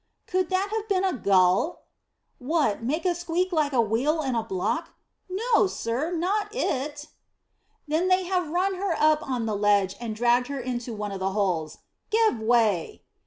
"Could that have been a gull?" "What, make a squeal like a wheel in a block? No, sir, not it." "Then they have run her up on the ledge and dragged her into one of the holes. Give way!"